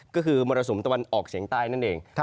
ก็คือมรสุมตะวันออกเฉียงใต้นั่นเอง